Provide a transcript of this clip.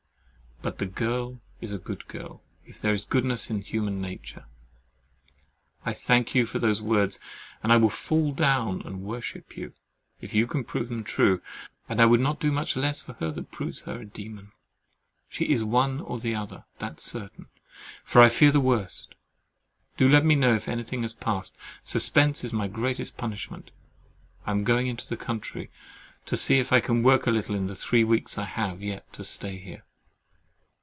But "the girl is a good girl, if there is goodness in human nature." I thank you for those words; and I will fall down and worship you, if you can prove them true: and I would not do much less for him that proves her a demon. She is one or the other, that's certain; but I fear the worst. Do let me know if anything has passed: suspense is my greatest punishment. I am going into the country to see if I can work a little in the three weeks I have yet to stay here.